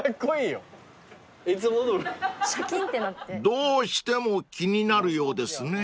［どうしても気になるようですね］